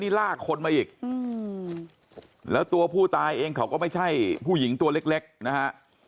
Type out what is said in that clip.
นี่ลากคนมาอีกแล้วตัวผู้ตายเองเขาก็ไม่ใช่ผู้หญิงตัวเล็กนะฮะ